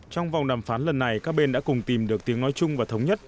trong vòng đàm phán lần này các bên đã cùng tìm được tiếng nói chung và thống nhất